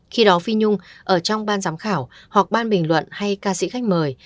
khi đó phi nhung ở trong ban giám khảo hoặc ban bình luận hay ca sĩ khách mời